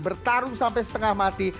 bertarung sampai setengah mati